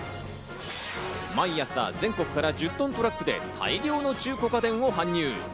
毎朝全国から１０トントラックで大量の中古家電を搬入。